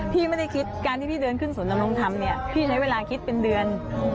พี่ไม่ได้คิดการที่พี่เดินขึ้นศูนย์ดำรงธรรมเนี่ยพี่ใช้เวลาคิดเป็นเดือน